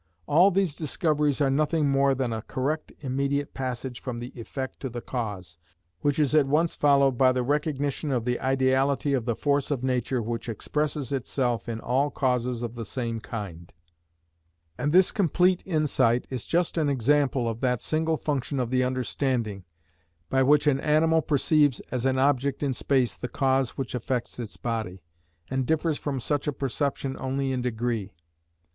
All these discoveries are nothing more than a correct immediate passage from the effect to the cause, which is at once followed by the recognition of the ideality of the force of nature which expresses itself in all causes of the same kind; and this complete insight is just an example of that single function of the understanding, by which an animal perceives as an object in space the cause which affects its body, and differs from such a perception only in degree.